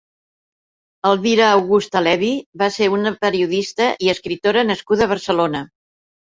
Elvira Augusta Lewi va ser una periodista i escritora nascuda a Barcelona.